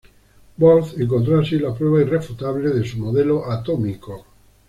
Bohr encontró así la prueba irrefutable de su modelo atómico.